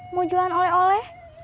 mau jualan oleh oleh